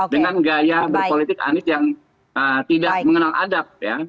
dengan gaya berpolitik anies yang tidak mengenal adab ya